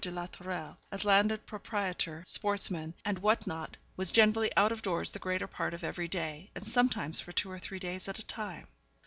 de la Tourelle, as landed proprietor, sportsman, and what not, was generally out of doors the greater part of every day, and sometimes for two or three days at a time.